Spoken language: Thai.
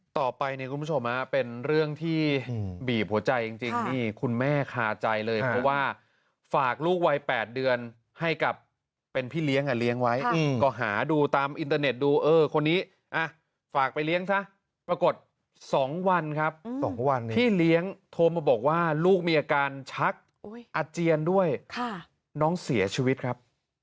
ต่อไปเนี่ยคุณผู้ชมเป็นเรื่องที่บีบหัวใจจริงนี่คุณแม่คาใจเลยเพราะว่าฝากลูกวัย๘เดือนให้กับเป็นพี่เลี้ยงเลี้ยงไว้ก็หาดูตามอินเตอร์เน็ตดูเออคนนี้ฝากไปเลี้ยงซะปรากฏ๒วันครับ๒วันพี่เลี้ยงโทรมาบอกว่าลูกมีอาการชักอาเจียนด้วยน้องเสียชีวิตครับ